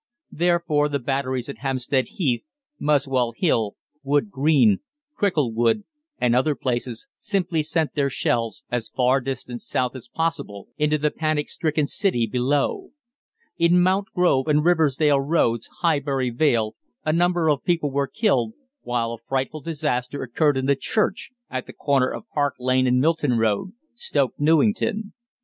Therefore the batteries at Hampstead Heath, Muswell Hill, Wood Green, Cricklewood, and other places simply sent their shells as far distant south as possible into the panic stricken city below. In Mountgrove and Riversdale Roads, Highbury Vale, a number of people were killed, while a frightful disaster occurred in the church at the corner of Park Lane and Milton Road, Stoke Newington.